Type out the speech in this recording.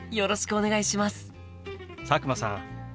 佐久間さん